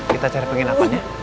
kita cari penginapannya